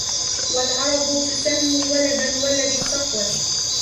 وَالْعَرَبُ تُسَمِّي وَلَدَ الْوَلَدِ الصَّفْوَةَ